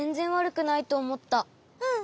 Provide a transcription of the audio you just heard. うん。